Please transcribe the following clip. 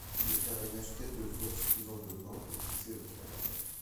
Le carénage tête de fourche plus enveloppant est fixé au cadre.